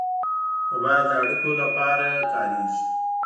موبایل د اړیکو لپاره کارېږي.